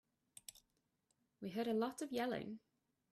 We heard a lot of yelling.